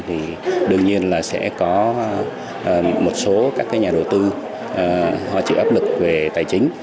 thì đương nhiên là sẽ có một số các nhà đầu tư họ chịu áp lực về tài chính